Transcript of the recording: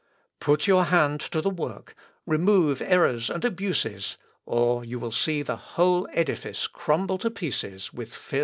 Put your hand to the work, remove errors and abuses, or you will see the whole edifice crumble to pieces with fearful uproar".